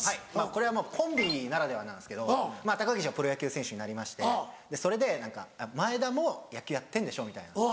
これはコンビならではなんですけどまぁ高岸はプロ野球選手になりましてそれで「前田も野球やってんでしょ」みたいな。